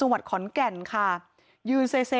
จังหวัดขอนแก่นค่ะยืนเซเซ